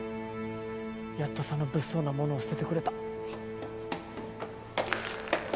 やっとその物騒なものを捨ててくれた。